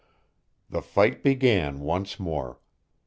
The fight began once more.